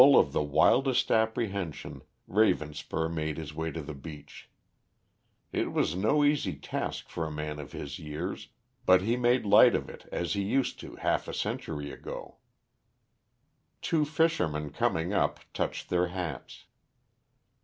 Full of the wildest apprehensions, Ravenspur made his way to the beach. It was no easy task for a man of his years, but he made light of it, as he used to half a century ago. Two fishermen coming up touched their hats.